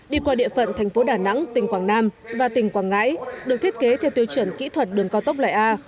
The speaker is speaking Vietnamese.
đi qua địa phận thành phố đà nẵng tỉnh quảng nam và tỉnh quảng ngãi được thiết kế theo tiêu chuẩn kỹ thuật đường cao tốc loại a